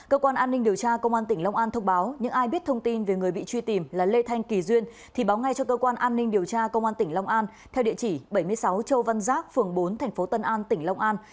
cơ quan an ninh điều tra công an tỉnh long an thông báo những ai biết thông tin về người bị truy tìm là lê thanh kỳ duyên thì báo ngay cho cơ quan an ninh điều tra công an tỉnh long an theo địa chỉ bảy mươi sáu châu văn giác phường bốn tp tân an tỉnh long an